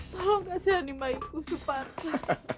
tolong kasihan ya bayiku separta